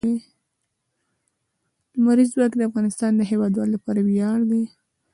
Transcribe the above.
لمریز ځواک د افغانستان د هیوادوالو لپاره ویاړ دی.